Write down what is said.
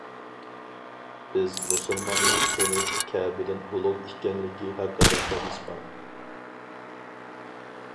بىز مۇسۇلماننىڭ قېنى كەبىدىن ئۇلۇغ ئىكەنلىكى ھەققىدە ھەدىس بار.